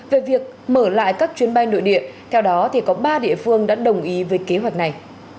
về việc mở lại các chuyến bay nội địa theo đó có ba địa phương đã đồng ý với kế hoạch này